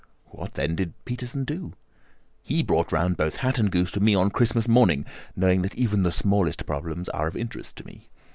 "What, then, did Peterson do?" "He brought round both hat and goose to me on Christmas morning, knowing that even the smallest problems are of interest to me.